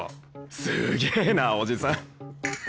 すげえなおじさん。